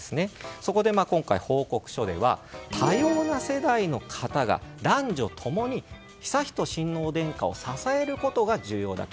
そこで報告書では多様な世代の方が男女共に悠仁親王殿下を支えることが重要だと。